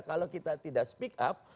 kalau kita tidak speak up